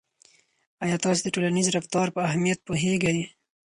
آیا تاسو د ټولنیز رفتار په اهمیت پوهیږئ.